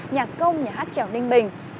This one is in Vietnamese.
nhạc công nhà hát trèo ninh bình